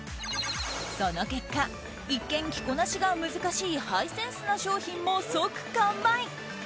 その結果、一見着こなしが難しいハイセンスな商品も即完売。